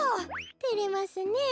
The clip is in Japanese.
てれますねえ。